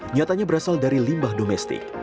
nyatanya berasal dari limbah domestik